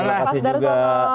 oke makasih juga pak sdar soho